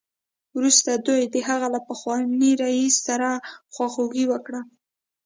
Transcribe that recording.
وروسته دوی د هغه له پخواني رییس سره خواخوږي وکړه